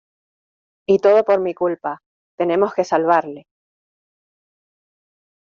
Y todo por mi culpa. Tenemos que salvarle .